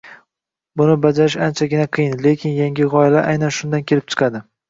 Buni bajarish anchagina qiyin, lekin yangi gʻoyalar aynan shundan kelib chiqadi.